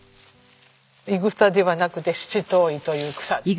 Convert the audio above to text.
イグサではなくて七島藺という草です。